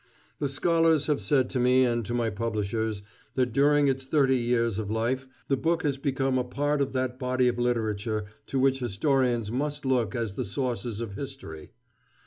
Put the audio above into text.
The scholars have said to me and to my publishers that during its thirty years of life the book has become a part of that body of literature to which historians must look as the sources of history.